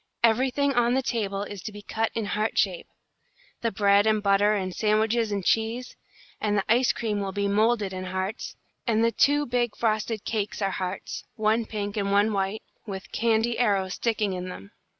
Everything on the table is to be cut in heart shape, the bread and butter and sandwiches and cheese; and the ice cream will be moulded in hearts, and the two big frosted cakes are hearts, one pink and one white, with candy arrows sticking in them.